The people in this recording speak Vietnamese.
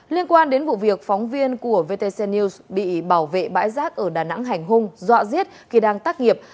liên quan đến vụ việc phóng viên của vtc news bị bảo vệ bãi rác ở đà nẵng hành hung dọa giết khi đang tác nghiệp